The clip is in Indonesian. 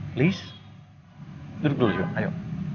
please tidur dulu yuk ayo